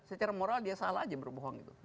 secara moral dia salah aja berbohong gitu